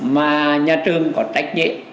mà nhà trường có tách dễ